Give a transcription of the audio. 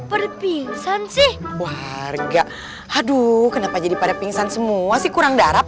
perpingsan sih warga aduh kenapa jadi pada pingsan semua sih kurang darat